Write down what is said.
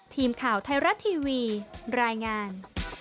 ทีมข่าวไทยรัฐทีวีรายงาน